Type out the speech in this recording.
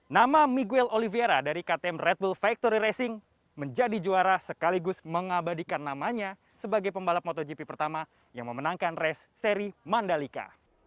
nama miguel oliviera dari ktm red bull factory racing menjadi juara sekaligus mengabadikan namanya sebagai pembalap motogp pertama yang memenangkan race seri mandalika